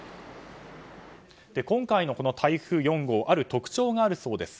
今回のこの台風４号ある特徴があるそうです。